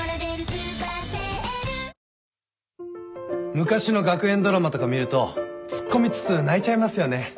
昔の学園ドラマとか見るとツッコみつつ泣いちゃいますよね。